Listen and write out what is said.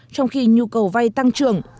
trong khi nhu cầu vay tăng trưởng